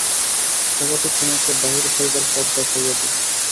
প্রভাতে তোমাকে বাহির হইবার পথ দেখাইয়া দিব।